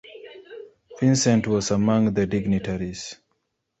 Vincent was among the dignitaries.